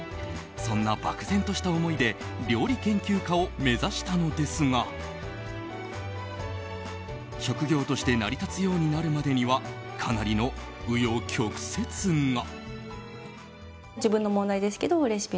そんな漠然とした思いで料理研究家を目指したのですが職業として成り立つようになるまではかなりの紆余曲折が。